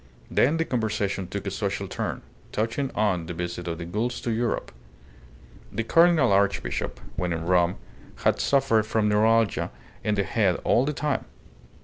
Then the conversation took a social turn, touching on the visit of the Goulds to Europe. The Cardinal Archbishop, when in Rome, had suffered from neuralgia in the head all the time.